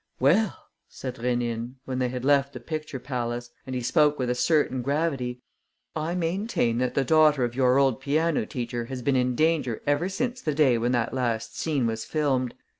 "Well," said Rénine, when they had left the picture palace and he spoke with a certain gravity "I maintain that the daughter of your old piano teacher has been in danger ever since the day when that last scene was filmed.